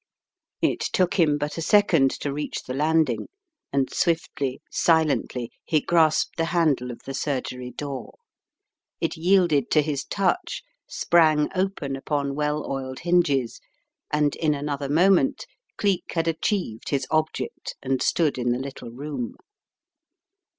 It took him but a second to reach the landing, and swiftly, silently he grasped the handle of the surgery door. It yielded to his touch, sprang open upom well oiled hinges, and in another moment Cleek had achieved his object and stood in the little room.